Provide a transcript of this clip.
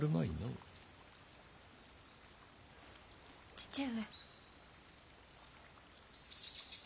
父上。